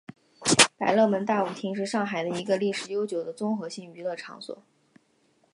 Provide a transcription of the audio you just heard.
百乐门大舞厅是上海的一个历史悠久的综合性娱乐场所。